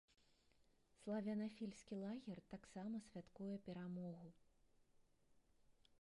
Славянафільскі лагер таксама святкуе перамогу.